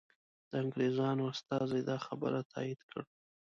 د انګریزانو استازي دا خبر تایید کړ.